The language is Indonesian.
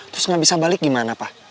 terus nggak bisa balik gimana pak